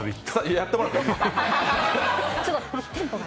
やってもらって。